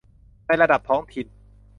ในระดับท้องถิ่น